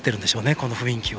この雰囲気を。